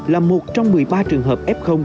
là một trong một mươi ba trường hợp f